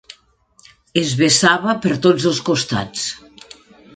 Es vessava per tots els costats.